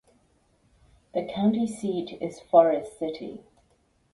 The county seat is Forrest City.